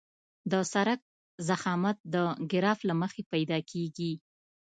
د سرک ضخامت د ګراف له مخې پیدا کیږي